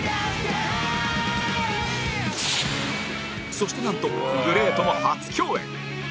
そしてなんと ＧＬＡＹ とも初共演